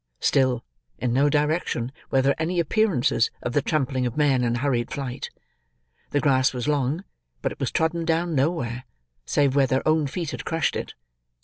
Still, in no direction were there any appearances of the trampling of men in hurried flight. The grass was long; but it was trodden down nowhere, save where their own feet had crushed it.